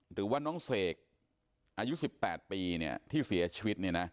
หรือว่าน้องเสกอายุ๑๘ปีที่เสียชีวิต